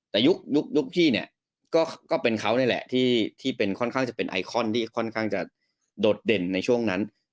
แต่ยุคพี่เนี่ยก็เป็นเขานี่แหละที่เป็นค่อนข้างจะเป็นไอคอนที่ค่อนข้างจะโดดเด่นในช่วงนั้น